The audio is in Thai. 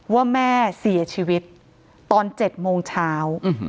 ว่าแม่เสียชีวิตตอน๗โมงเช้า